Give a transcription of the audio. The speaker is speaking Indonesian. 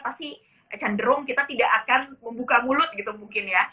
pasti cenderung kita tidak akan membuka mulut gitu mungkin ya